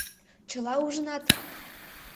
Чыла ужынат!